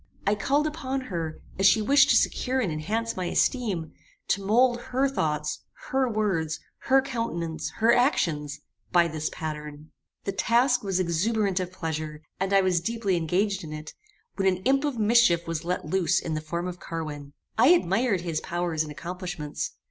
I called upon her, as she wished to secure and enhance my esteem, to mould her thoughts, her words, her countenance, her actions, by this pattern. "The task was exuberant of pleasure, and I was deeply engaged in it, when an imp of mischief was let loose in the form of Carwin. I admired his powers and accomplishments.